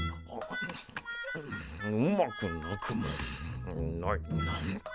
うまくなくもないな。